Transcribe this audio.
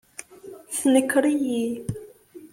Tenker-iyi.